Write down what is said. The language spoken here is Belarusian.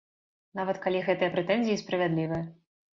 Нават, калі гэтыя прэтэнзіі справядлівыя.